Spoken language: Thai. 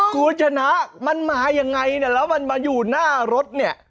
คุณชนะมันมายังไงเนี่ยแล้วมันมาอยู่หน้ารถเนี่ย